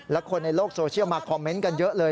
และคนในโลกโซเชียลมาคอมเมนต์กันเยอะเลย